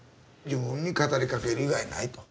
自分に語りかける以外ないと。